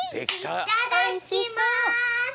いただきます！